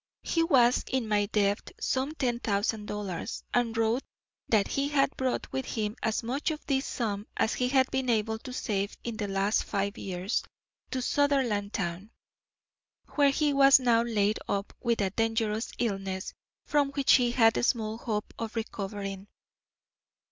He was in my debt some ten thousand dollars, and wrote that he had brought with him as much of this sum as he had been able to save in the last five years, to Sutherlandtown, where he was now laid up with a dangerous illness from which he had small hope of recovering.